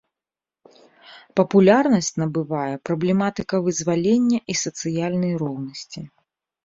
Папулярнасць набывае праблематыка вызвалення і сацыяльнай роўнасці.